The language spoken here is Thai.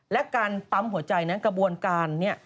และการปั๊มหัวใจในกระบวนการนี้